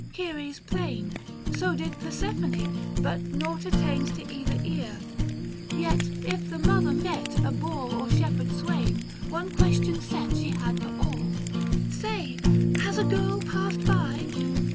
Ceres plained, So did Persephone, but nought attained To either ear ; yet if the mother met A boor or shepherd swain, one question set She had for all, " Say, has a girl passed by